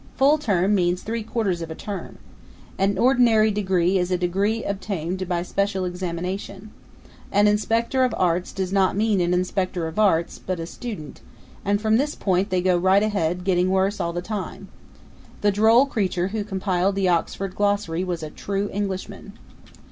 Full term means three quarters of a term. An ordinary degree is a degree obtained by a special examination. An inspector of arts does not mean an inspector of arts, but a student; and from this point they go right ahead, getting worse all the time. The droll creature who compiled the Oxford glossary was a true Englishman.